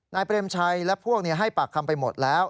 เปรมชัยและพวกให้ปากคำไปหมดแล้ว